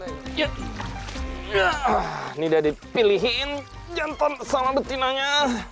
ini udah dipilihin jantan sama betinanya